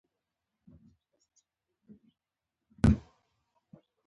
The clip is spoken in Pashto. په ژمي کې خلک له غالۍ نه خوند اخلي.